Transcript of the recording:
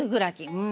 うん。